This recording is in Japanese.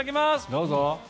どうぞ。